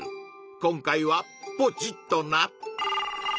今回はポチッとな！